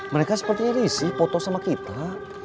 mereka sepertinya risih foto sama kita